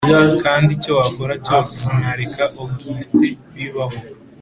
kandi icyo wakora cyose sinareka august bibaho.